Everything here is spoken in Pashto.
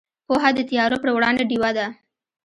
پوهه د تیارو پر وړاندې ډیوه ده.